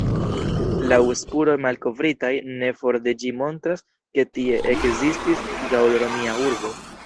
Laŭ spuroj malkovritaj ne for de ĝi montras ke tie ekzistis gaŭl-romia urbo.